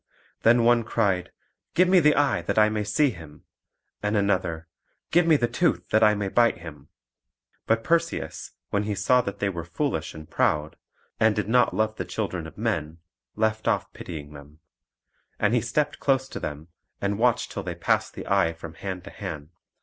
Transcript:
Then one cried, "Give me the eye, that I may see him"; and another, "Give me the tooth, that I may bite him." But Perseus, when he saw that they were foolish and proud, and did not love the children of men, left off pitying them. Then he stepped close to them, and watched till they passed the eye from hand to hand.